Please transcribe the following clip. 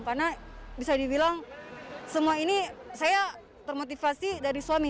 karena bisa dibilang semua ini saya termotivasi dari suami